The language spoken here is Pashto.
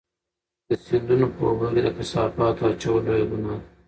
د سیندونو په اوبو کې د کثافاتو اچول لویه ګناه ده.